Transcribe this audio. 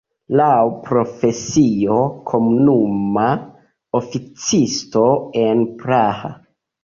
Laŭ profesio komunuma oficisto en Praha.